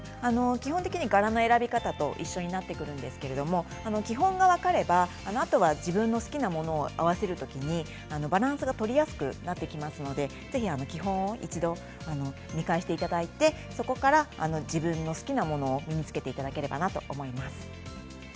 基本的に柄の選び方と一緒になってくるんですけど基本が分かればあとは自分の好きなものを合わせる時にバランスが取りやすくなってきますので基本を一度、見返していただいてそこから自分の好きなものを身につけていただければなと思います。